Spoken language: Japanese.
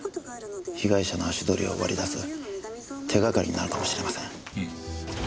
被害者の足取りを割り出す手掛かりになるかもしれません。